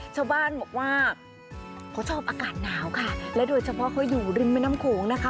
ชาวบ้านบอกว่าเขาชอบอากาศหนาวค่ะและโดยเฉพาะเขาอยู่ริมแม่น้ำโขงนะคะ